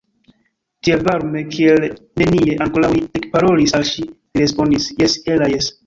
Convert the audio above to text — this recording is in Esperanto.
Tiel varme kiel nenie ankoraŭ li ekparolis al ŝi, li respondis: « Jes, Ella, jes! »